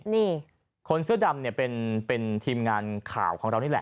นี่คนเสื้อดำเนี่ยเป็นทีมงานข่าวของเรานี่แหละ